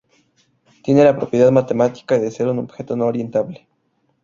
Tiene la propiedad matemática de ser un objeto no orientable.